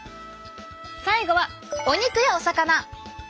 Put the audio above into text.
最後はお肉やお魚！